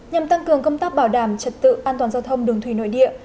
nhằm tăng cường công tác bảo đảm trật tự an toàn giao thông đường thủy nội địa